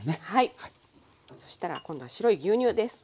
そしたら今度は白い牛乳です。